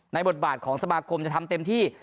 บทบาทของสมาคมจะทำเต็มที่